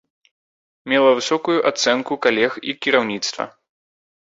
Мела высокую ацэнку калег і кіраўніцтва.